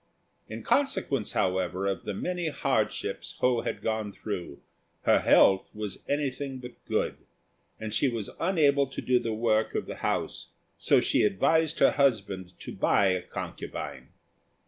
In consequence, however, of the many hardships Ho had gone through, her health was anything but good, and she was unable to do the work of the house; so she advised her husband to buy a concubine.